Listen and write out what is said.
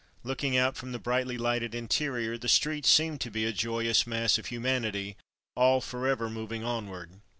Looking out from the brightly lighted interior the street seemed to be a joyous mass of humanity, all for ever moving onward.